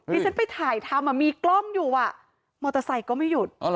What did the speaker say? ที่ฉันไปถ่ายทำมีกล้องอยู่มอเตอร์ไซค์ก็ไม่หยุด